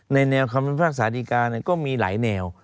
ในแนวคำสัญลักษณะศาติกาก็มีหลายแนว